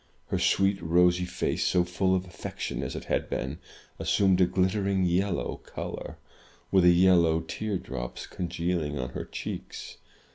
Her sweet, rosy face, so full of affection as it had been, assumed a gUttering yellow color, with yellow tear drops congealing on her cheeks.